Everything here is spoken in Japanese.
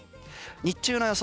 日中の予想